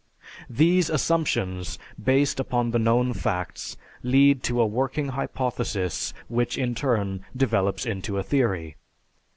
These assumptions, based upon the known facts, lead to a working hypothesis which in turn develops into a theory.